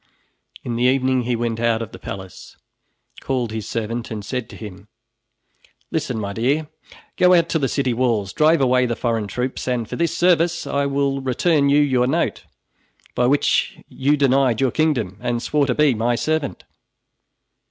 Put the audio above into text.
In the evening he went out of the palace, called his servant and said to him: "Listen, my dear! Go out to the city walls, drive away the foreign troops, and for this service I will return to you your note, by which you denied your kingdom and swore to be my servant."